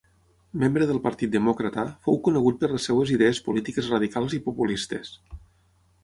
Membre del Partit Demòcrata, fou conegut per les seves idees polítiques radicals i populistes.